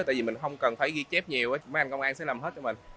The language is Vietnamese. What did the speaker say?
tại vì mình không cần phải ghi chép nhiều mấy anh công an sẽ làm hết cho mình